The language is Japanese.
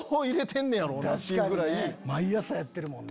毎朝やってるもんね。